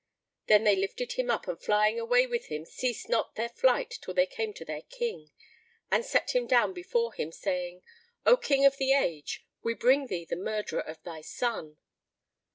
Then they lifted him up and flying away with him ceased not their flight till they came to their King and set him down before him, saying, "O King of the Age, we bring thee the murderer of thy son."